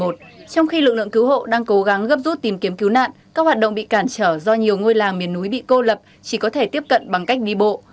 trong khi lực lượng cứu hộ đang cố gắng gấp rút tìm kiếm cứu nạn các hoạt động bị cản trở do nhiều ngôi làng miền núi bị cô lập chỉ có thể tiếp cận bằng cách đi bộ